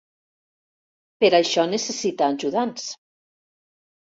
Per això necessita ajudants.